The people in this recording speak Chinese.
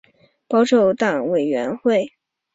保守党委员会是英国保守党的全国管制机构。